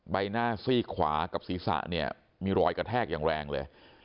ใบหน้าซีกขวากับศีรษะเนี่ยมีรอยกระแทกอย่างแรงเลย